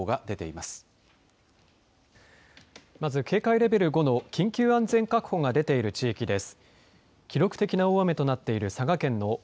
まず警戒レベル５の緊急安全確保が出ている地域です。